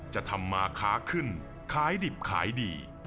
จะทำมาค้าขึ้นขายดิบขายดี